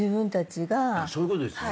そういうことですよね。